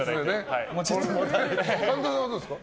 神田さんはどうですか？